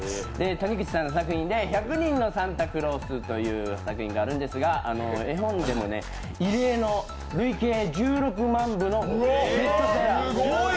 谷口さんの作品で「１００にんのサンタクロース」という絵本があるんですが、絵本でも異例の累計１６万部の売り上げ。